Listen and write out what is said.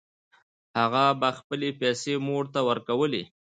هغه به خپلې پیسې مور ته ورکولې